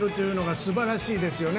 すばらしいですよね。